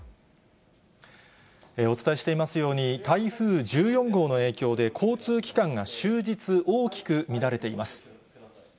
お伝えしていますように、台風１４号の影響で、交通機関が終日大きく乱れています。